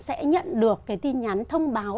sẽ nhận được tin nhắn thông báo